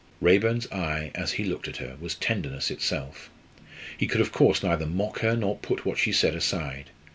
Raeburn's eye as he looked at her was tenderness itself. He could of course neither mock her, nor put what she said aside.